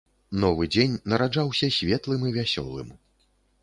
Новы дзень нараджаўся светлым і вясёлым.